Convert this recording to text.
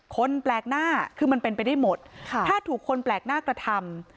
คนแปลกหน้าคือมันเป็นไปได้หมดถ้าถูกคนแปลกหน้ากระทำ